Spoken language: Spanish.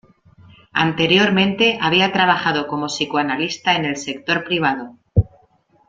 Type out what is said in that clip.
Anteriormente, había trabajado como psicoanalista en el sector privado.